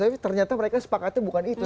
tapi ternyata mereka sepakatnya bukan itu